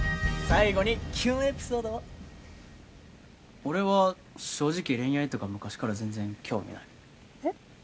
最後にキュンエピソードを俺は正直恋愛とか昔から全然興味ないへっ？